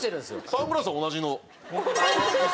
サングラスは同じの。